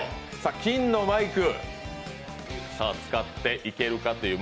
金のマイク使っていけるかという。